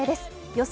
予想